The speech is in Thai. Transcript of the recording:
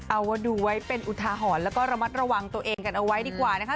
เอาว่าดูไว้เป็นอุทาหรณ์แล้วก็ระมัดระวังตัวเองกันเอาไว้ดีกว่านะคะ